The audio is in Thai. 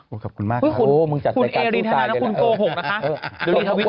โอ้ขอบคุณมากค่ะโอ้มึงจัดใส่การสู้ตายได้แล้วคุณเอริธานาคุณโกหกนะคะดูดีทวิกก่อน